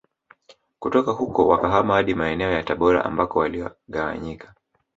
Kutoka huko wakahama hadi maeneo ya Tabora ambako waligawanyika